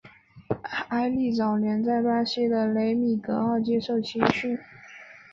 埃利早年在巴西的格雷米奥接受青训。